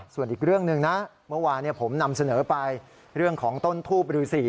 ส่วนอีกเรื่องหนึ่งนะเมื่อวานผมนำเสนอไปเรื่องของต้นทูบฤษี